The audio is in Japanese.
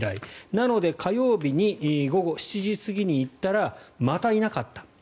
なので火曜日に午後７時過ぎに行ったらまたいなかった。